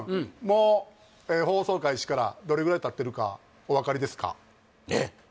もう放送開始からどれぐらいたってるかお分かりですか？